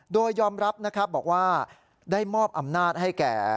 โดยยอมรับนะครับบอกว่าได้มอบอำนาจให้แก่